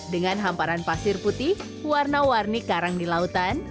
dengan hamparan pasir putih warna warni karang di lautan